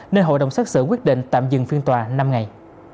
nên hội đồng xác xử quyết định tạm dừng phiên tòa năm ngày